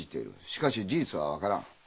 しかし事実は分からん。